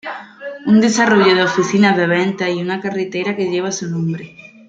Un desarrollo de oficinas de ventas y una carretera que lleva su nombre.